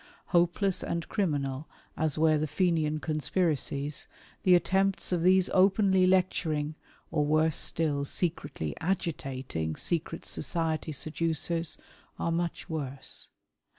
Hopeless and criminal as were the Fenian con spiracies, the attempts of these openly lecturing, or worse still, secretly agitating, secret society seducers, are much worse.